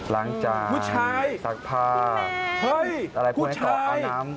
ล้างจานสักผ้าฮุตชายพี่แมน